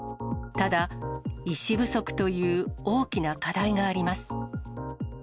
ただ、医師不足という大きな課題があります。